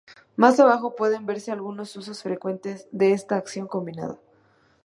Más abajo pueden verse algunos usos frecuentes de esta acción combinada.